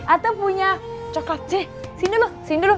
ate punya coklat sih sini dulu sini dulu